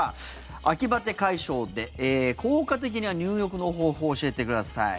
秋バテ解消で効果的な入浴の方法を教えてください。